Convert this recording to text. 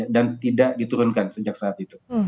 dan tidak diturunkan sejak saat itu